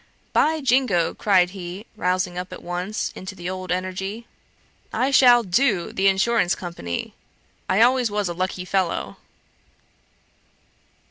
"By jingo!" cried he, rousing up at once into the old energy, "I shall do the insurance company! I always was a lucky fellow!"